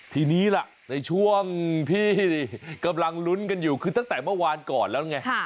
ทีนี้ล่ะในช่วงที่กำลังลุ้นกันอยู่คือตั้งแต่เมื่อวานก่อนแล้วไง